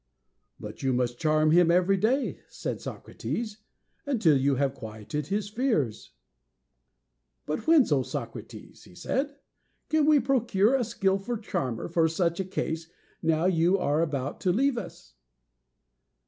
"'But you must charm him every day,' said Socrates, 'until you have quieted his fears.' "'But whence, O Socrates,' he said, 'can we procure a skillful charmer for such a case, now you are about to leave us?'